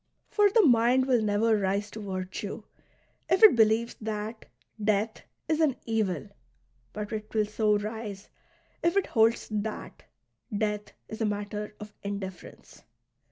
For the mind will never rise to virtue if it believes that death is an evil ; but it will so rise if it holds that death is a matter of indifference.